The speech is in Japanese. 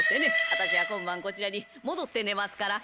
私は今晩こちらに戻って寝ますから」。